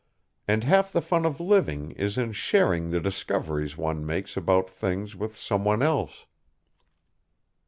And half the fun of living is in sharing the discoveries one makes about things with some one else.